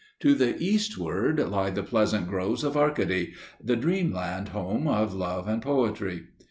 To the eastward lie the pleasant groves of Arcady, the dreamland, home of love and poetry.